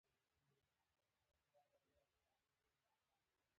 د ورځې په نرخ له بازاره خلک راونیول.